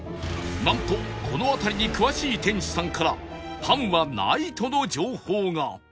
なんとこの辺りに詳しい店主さんからパンはないとの情報が